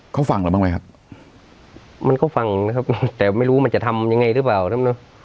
เขาฟังเราบ้างไหมครับมันก็ฟังนะครับแต่ไม่รู้มันจะทำยังไงหรือเปล่า